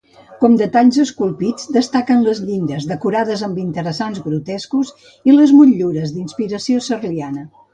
Com detalls esculpits destaquen les llindes decorades amb interessants grotescos i les motllures d'inspiració serliana.